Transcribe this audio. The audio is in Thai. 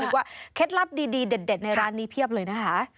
เคล็ดลับดีเด็ดในร้านนี้เพียบเลยนะคะ